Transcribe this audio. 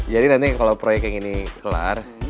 jadi nanti kalo proyek yang ini kelar